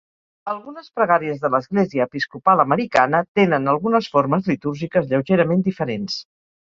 Algunes pregàries de l'Església Episcopal Americana tenen algunes formes litúrgiques lleugerament diferents.